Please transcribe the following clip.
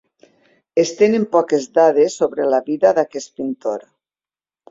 Es tenen poques dades sobre la vida d'aquest pintor.